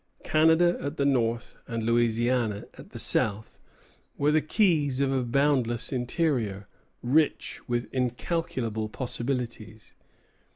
Canada at the north, and Louisiana at the south, were the keys of a boundless interior, rich with incalculable possibilities.